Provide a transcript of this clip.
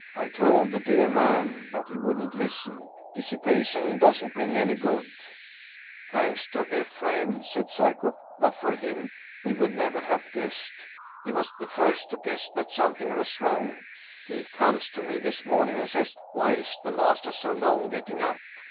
I told the dear man, but he wouldn't listen ! Dissipation doesn't bring any good !"" Thanks to Ephraim," said Psyekoff ;" but for him, we would never have guessed. He was the first to guess that something was wrong. He comes to me this morning, and says: 'Why is the master so long getting up?